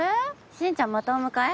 進ちゃんまたお迎え？